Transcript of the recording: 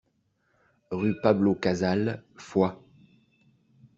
Rue Pablo Casals, Foix